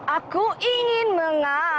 aku ingin mengadakan